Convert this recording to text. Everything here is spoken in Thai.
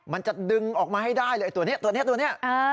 มันจะดึงออกมาให้ได้เลยไอ้ตัวนี้ตัวนี้ตัวนี้